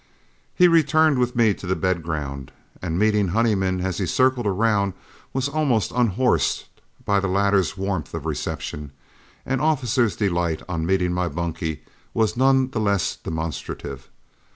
He returned with me to the bed ground, and meeting Honeyman as he circled around, was almost unhorsed by the latter's warmth of reception, and Officer's delight on meeting my bunkie was none the less demonstrative.